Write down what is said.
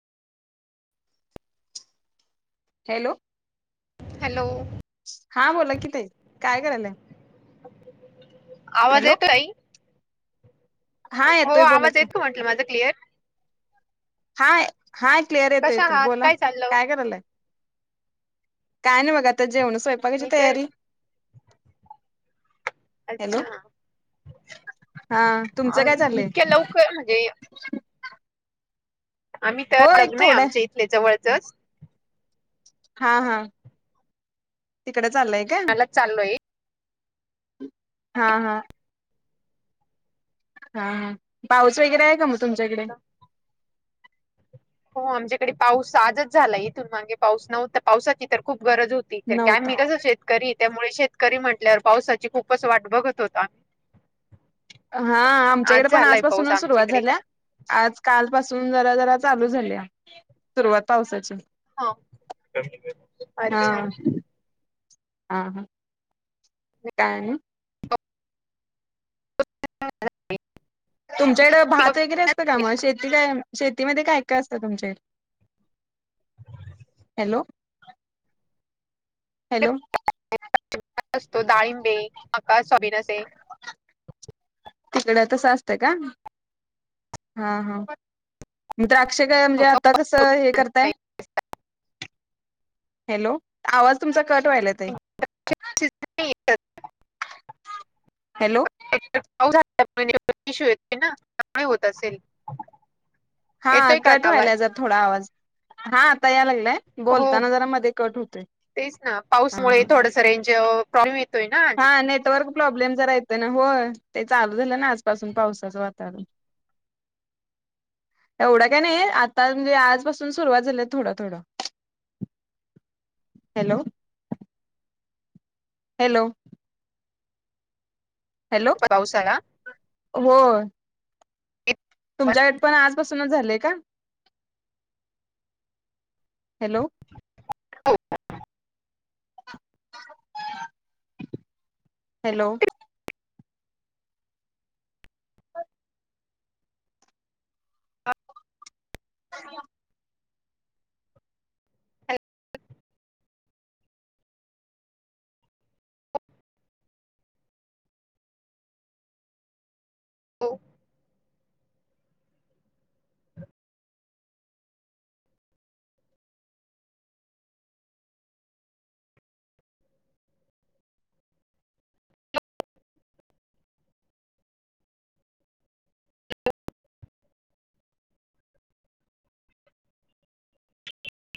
Hello hello हा बोला कि ताई काय करायलाय? आवाज हॅलो येत आहे? हा हो येतोय बोला आवाज की येत का म्हंटलं माझं क्लिअर हा हाय क्लिअर येतो कशा येतोय आहात बोला, चाललं काय करायलाय? काय नाही बघा आता जेवण स्वयंपाकाची मी तर तयारी हॅलो अच्छा हा अ तुमचं काय चाललंय इतक्या लवकर म्हणजे आम्ही तर हो एक लग्न आहे थोडं आमच्या इथले जवळचच हा हा तिकडे चाललंय काय? लग्नालाच चाललोय हा हा. हा ह पाऊस वगैरे आहे का मग तुमच्याकडे? हो आमच्याकडे पाऊस आजच झालाय इथून मागे पाऊस नव्हता पावसाात तर खूप गरज होती तर काय नव्हता मी कसं शेतकरी त्यामुळे शेतकरी म्हंटल्यावर पावसाची खूपच वाट बघत होतो. हा आज आमच्याकडे पण झालाय पाऊस आजपासूनच सुरुवात आमच्याकडे झाल्या आज काल पाासून जरा जरा चालू झाले सुरुवात पावसाची. हा हा अच्छा. हा हा काय ना.. हा. [inaudible] तुमच्याकडें भात पिकाकडे वगैरे असतं का मग शेतीला श... त मध्ये काय काय असतं तुमच्या हॅलो.. हॅलो. असतो डाळिंबे आका स्वाभिनसे.. तिकड तसं असतं का. हा हा.. द्राक्ष का म्हणजे आता कसं हे करताय.. हॅलो आवाज तुमचा कट व्हायला आहे. स.. हॅलो. इशू येत ना त्यामुळे होत असेल.. हा येतोय का कट आता आवाज? व्हायलाचा थोडा आवाज हा आता याय लागलाय. हो बोलताना जरा मध्ये कट होते तेच ना हा पाऊसमुळे हा. थोडस रेंज प्रॉब्लेम येतोय ना आज हा नेटवर्क प्रॉब्लेम जरा येत. हो ते चालू झालं ना आजपासून पावसाचं वातावरण. एवढं काय नाही आता म्हणजे आजपसून सुरुवात झाली थोडं थोडं. हॅलो. हॅलो. हॅलो पावसाला.. हो. तुमच्याकड पण आजपासूनच झालंय का. हॅलो. हॅलो. अछा. हो.